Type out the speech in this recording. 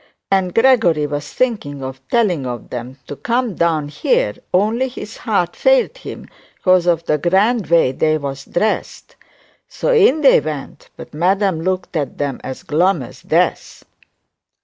and Gregory was thinking of telling them to come down here, only his heart failed him 'cause of the grand way they was dressed. So in they went; but madam looked at them as glum as death.'